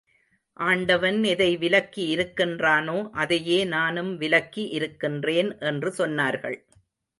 ஆண்டவன் எதை விலக்கி இருக்கின்றானோ, அதையே நானும் விலக்கி இருக்கின்றேன் என்று சொன்னார்கள்.